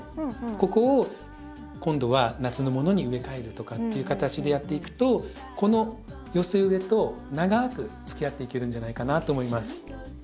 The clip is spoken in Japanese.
ここを今度は夏のものに植え替えるとかっていう形でやっていくとこの寄せ植えと長くつきあっていけるんじゃないかなと思います。